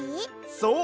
そう。